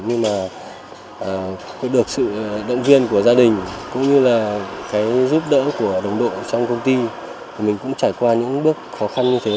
nhưng mà được sự động viên của gia đình cũng như là cái giúp đỡ của đồng đội trong công ty mình cũng trải qua những bước khó khăn như thế